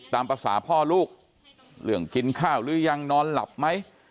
ตามภาษาพ่อลูกเรื่องกินข้าวหรือยังนอนหลับไหม